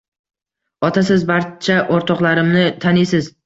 Ota siz barcha oʻrtoqlarimni taniysiz.